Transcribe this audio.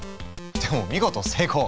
でも見事成功！